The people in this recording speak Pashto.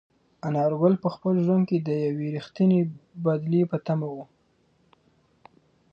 انارګل په خپل ژوند کې د یوې رښتینې بدلې په تمه و.